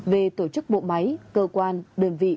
về tổ chức bộ máy cơ quan đơn vị